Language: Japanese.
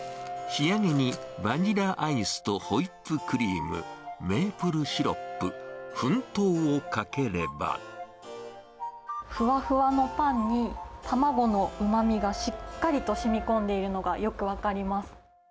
仕上げにバニラアイスとホイップクリーム、メープルシロップ、ふわふわのパンに、卵のうまみがしっかりとしみこんでいるのがよく分かります。